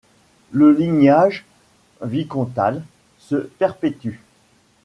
Le lignage vicomtal se perpétue.